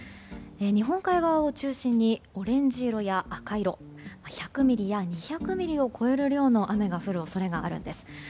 日本海側を中心にオレンジ色や赤色１００ミリや２００ミリを超える量の雨が降る恐れがあるんです。